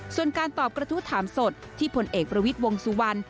ส่วนการตอบกระทู้ถามสดที่ผลเอกประวิทย์วงสุวรรณ